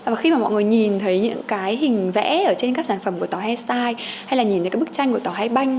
và khi mà mọi người nhìn thấy những cái hình vẽ ở trên các sản phẩm của tàu he style hay là nhìn thấy các bức tranh của tàu he banh